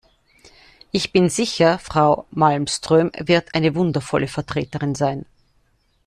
Ich bin sicher, Frau Malmström wird eine wundervolle Vertreterin sein.